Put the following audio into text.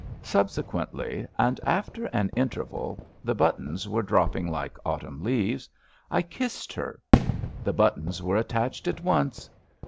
Subsequently, and after an interval — ^the buttons were dropping like autumn leaves — ^I 288 ABAFT THE FUNNEL kissed her. The buttons were attached at once.